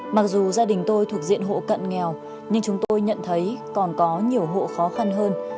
mặc dù gia đình tôi thuộc diện hộ cận nghèo nhưng chúng tôi nhận thấy còn có nhiều hộ khó khăn hơn